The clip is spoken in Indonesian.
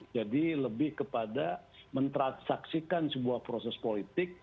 jadi lebih kepada mentransaksikan sebuah proses politik